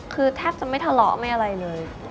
คือแทบจะไม่ทะเลาะไม่อะไรเลย